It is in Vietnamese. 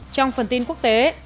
trong phần tin quốc tế